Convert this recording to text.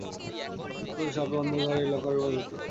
অন্তত শপে অন্ধকার এই লকার রুমের ভেতর!